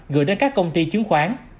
gửi đến các công ty chứng khoán